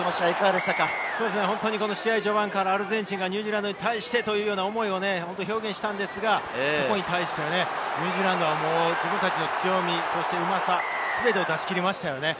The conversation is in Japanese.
試合序盤からアルゼンチンがニュージーランドに対してという思いを表現したんですが、それに対してニュージーランドは自分たちの強み、うまさ、全てを出し切りましたね。